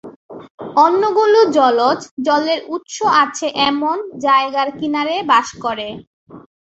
অন্যগুলো জলজ, জলের উৎস আছে এমন জায়গার কিনারে বাস করে।